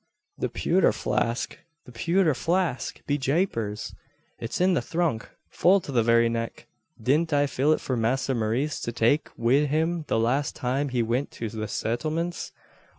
The pewther flask the pewther flask! Be japers! it's in the thrunk full to the very neck! Didn't I fill it for Masther Maurice to take wid him the last time he went to the sittlements?